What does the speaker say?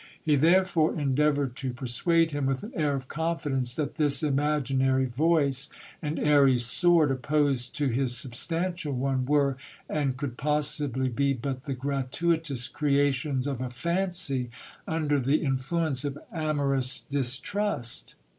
He therefore endeavoured to persuade him, with an air of confidence, that this imaginary voice, and airy sword opposed to his substantial one, were, THE FATAL MARRIAGE. 127 and could possibly be, but the gratuitous creations of a fancy, under the influ ence of amorous distrust.